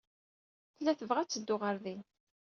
Tella tebɣa ad teddu ɣer din.